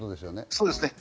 そうですね。